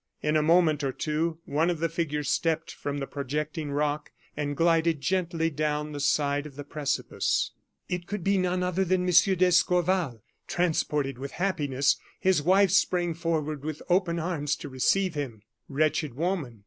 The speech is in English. In a moment or two one of the figures stepped from the projecting rock and glided gently down the side of the precipice. It could be none other than M. d'Escorval. Transported with happiness, his wife sprang forward with open arms to receive him. Wretched woman!